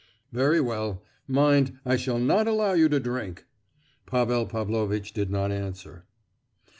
——" "Very well. Mind, I shall not allow you to drink!" Pavel Pavlovitch did not answer.